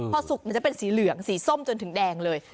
พอสุกมันจะเป็นสีเหลืองสีส้มจนถึงแดงเลย